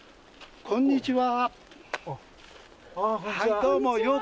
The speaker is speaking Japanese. こんにちは。